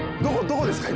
どこですか？